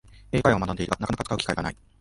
英会話を学んでいるが、なかなか使う機会がない